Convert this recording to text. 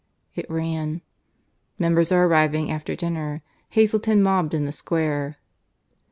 It ran: "MEMBERS ARE ARRIVING AFTER DINNER. HAZELTON MOBBED IN THE SQUARE."